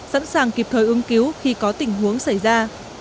sẵn sàng kịp thời ứng cứu khi có tình huống xảy ra